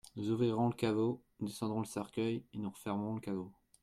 Nous ouvrirons le caveau, nous descendrons le cercueil, et nous refermerons le caveau.